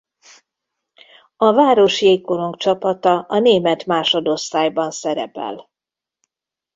A város jégkorongcsapata a német másodosztályban szerepel.